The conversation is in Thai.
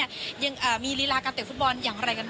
ยังมีลีลาการเตะฟุตบอลอย่างไรกันบ้าง